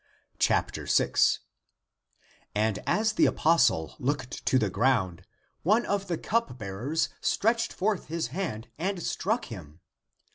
6, And as the apostle looked to the ground, one of the cupbearers stretched forth his hand and struck him.